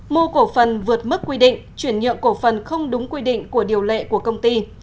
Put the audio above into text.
mua cổ phần vượt mức quy định chuyển nhượng cổ phần không đúng quy định của điều lệ của công ty